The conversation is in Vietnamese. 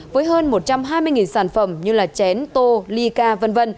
với hơn một trăm hai mươi sản phẩm như chén tô ly ca v v